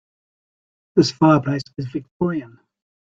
This fireplace is victorian.